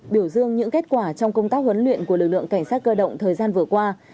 biểu dương những kết quả trong công tác huấn luyện của lực lượng cảnh sát cơ động thời gian vừa qua